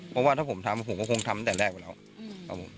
เพราะว่าถ้าผมทำผมก็คงทำตั้งแต่แรกไปแล้วครับผม